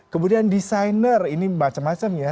kemudian desainer ini macam macam ya